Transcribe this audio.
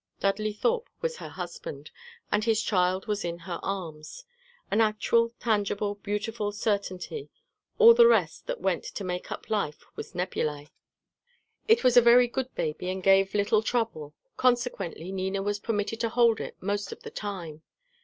Dudley Thorpe was her husband, and his child was in her arms, an actual tangible beautiful certainty; all the rest that went to make up life was nebulæ. It was a very good baby, and gave little trouble; consequently Nina was permitted to hold it most of the time.